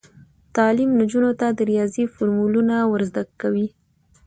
تعلیم نجونو ته د ریاضي فورمولونه ور زده کوي.